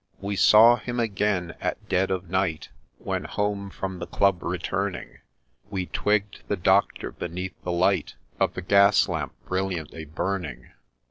We saw him again at dead of night, When home from the Club returning ; We twigg'd the Doctor beneath the light Of the gas lamp brilliantly burning.